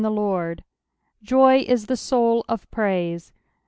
the Lord." Saj is the soul of prusc.